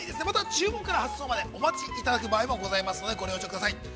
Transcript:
また注文から発送までお待ちいただく場合もございますので、ご了承ください。